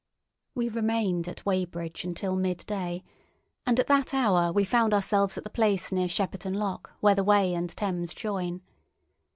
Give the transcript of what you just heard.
We remained at Weybridge until midday, and at that hour we found ourselves at the place near Shepperton Lock where the Wey and Thames join.